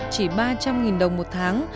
chỉ ba trăm linh đồng một tháng